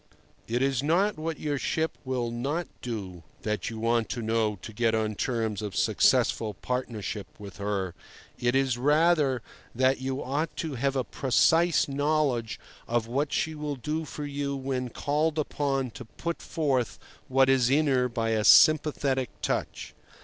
It is not what your ship will not do that you want to know to get on terms of successful partnership with her; it is, rather, that you ought to have a precise knowledge of what she will do for you when called upon to put forth what is in her by a sympathetic touch.